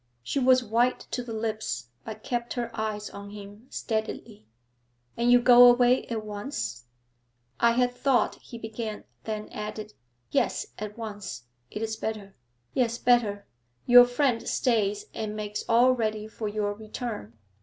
She was white to the lips, but kept her eyes on him steadily. 'And you go away at once?' 'I had thought' he began; then added, 'Yes, at once; it is better.' 'Yes, better. Your friend stays and makes all ready for your return.